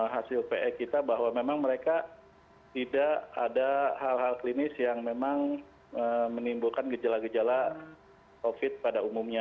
hasil pe kita bahwa memang mereka tidak ada hal hal klinis yang memang menimbulkan gejala gejala covid pada umumnya